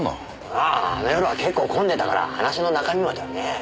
あああの夜は結構混んでたから話の中身まではね。